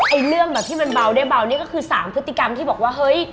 เรื่องแบบที่มันเบาได้เบานี่ก็คือสามพฤติกรรมที่บอกว่าเฮ้ย